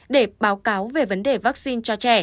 để báo cáo về vấn đề vaccine cho trẻ